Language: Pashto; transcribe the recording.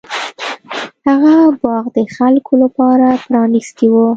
هغه باغ د خلکو لپاره پرانیستی و.